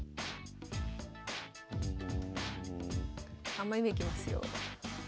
３枚目いきますよ。